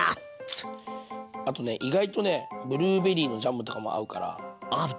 あとね意外とねブルーベリーのジャムとかも合うから。